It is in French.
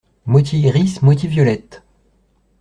Moitié iris, moitié violette !